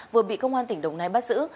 vừa bị công an tỉnh đồng nai bắt giữ